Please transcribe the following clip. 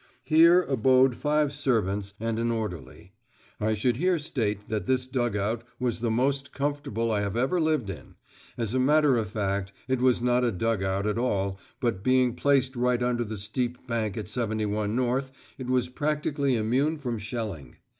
Here abode five servants and an orderly. I should here state that this dug out was the most comfortable I have ever lived in; as a matter of fact it was not a dug out at all, but being placed right under the steep bank at 71 North it was practically immune from shelling.